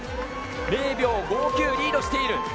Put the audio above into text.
０秒５９リードしている。